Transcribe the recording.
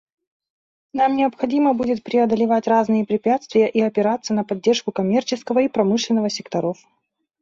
Нам необходимо будет преодолевать разные препятствия и опираться на поддержку коммерческого и промышленного секторов.